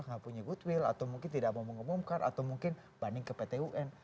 nggak punya goodwill atau mungkin tidak mau mengumumkan atau mungkin banding ke pt un